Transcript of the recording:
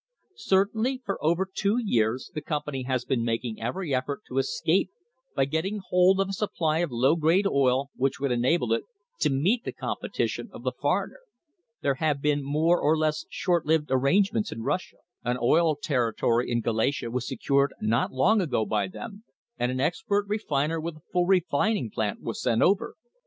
Certainly, for over two years the company has been making every effort to escape by getting hold of a supply of low grade oil which would ena ble it to meet the competition of the foreigner. There have been more or less short lived arrangements in Russia. An oil territory in Galicia was secured not long ago by them, and an expert refiner with a full refining plant was sent over.